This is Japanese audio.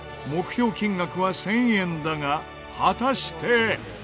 目標金額は１０００円だが果たして！？